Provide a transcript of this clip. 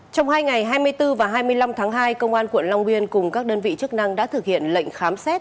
trong hai ngày hai mươi bốn và hai mươi năm tháng hai công an quận long biên cùng các đơn vị chức năng đã thực hiện lệnh khám xét